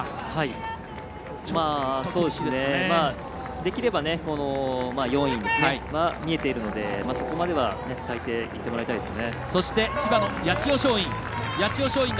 できれば４位が見えているのでそこまでは最低いってもらいたいですね。